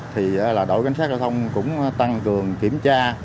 thì đội cảnh sát giao thông cũng tăng cường kiểm tra